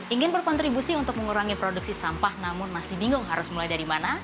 ingin berkontribusi untuk mengurangi produksi sampah namun masih bingung harus mulai dari mana